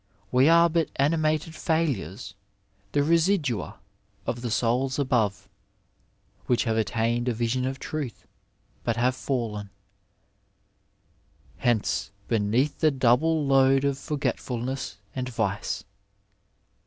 We are but animated failures — ^the residua of the souls above, which have attained a vision of truth, but have &llen '' hence beneath the double load of forgetful ness and vice."